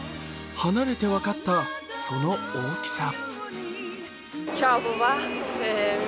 離れて分かったその大きさ。